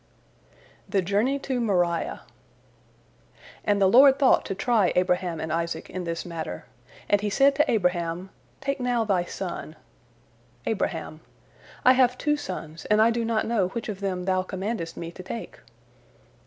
THE JOURNEY TO MORIAH And the Lord thought to try Abraham and Isaac in this matter. And He said to Abraham, "Take now thy son." Abraham: "I have two sons, and I do not know which of them Thou commandest me to take."